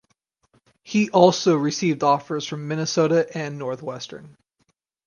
He also received offers from Minnesota and Northwestern.